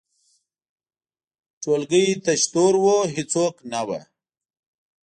ټولګی تش تور و، هیڅوک نه وو.